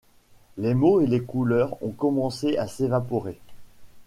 Les mots et les couleurs ont commencé à s'évaporer.